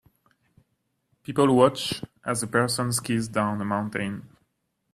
People watch as a person skis down a mountain.